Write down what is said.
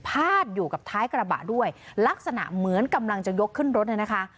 พาดอยู่กับท้ายกระบะด้วยลักษณะเหมือนกำลังจะยกขึ้นรถเนี่ยนะคะ